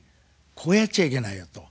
こうやっちゃいけないよと。